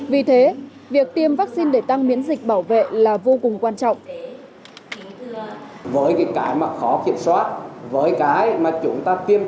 vì thế việc tiêm vaccine để tăng miễn dịch bảo vệ là vô cùng quan trọng